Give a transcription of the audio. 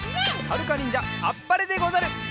はるかにんじゃあっぱれでござる！